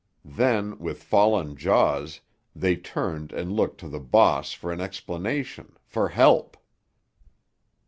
Then, with fallen jaws, they turned and looked to the "bahss" for an explanation, for help.